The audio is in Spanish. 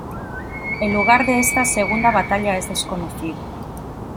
El lugar de esta segunda batalla es desconocido.